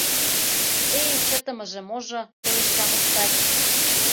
— Эй, чытымыже-можо, — пелешта Мустай.